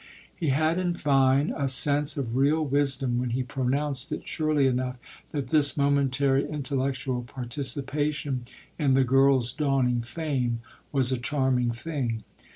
He had in fine a sense of real wisdom when he pronounced it surely enough that this momentary intellectual participation in the girl's dawning fame was a charming thing.